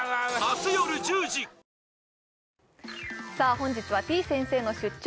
本日はてぃ先生の出張！